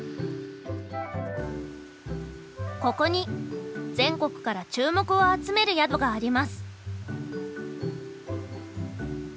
ここに全国から注目を集める宿があります。